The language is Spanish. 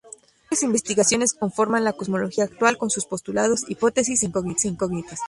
Varias investigaciones conforman la cosmología actual, con sus postulados, hipótesis e incógnitas.